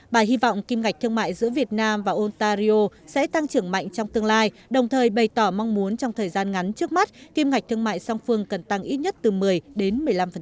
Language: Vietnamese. bà hy vọng kim ngạch thương mại giữa việt nam và ontario sẽ tăng trưởng mạnh trong tương lai đồng thời bày tỏ mong muốn trong thời gian ngắn trước mắt kim ngạch thương mại song phương cần tăng ít nhất từ một mươi đến một mươi năm